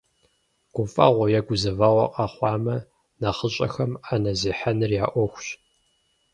Гуфӏэгъуэ е гузэвэгъуэ къэхъуамэ, нэхъыщӏэхэм, ӏэнэ зехьэныр я ӏуэхущ.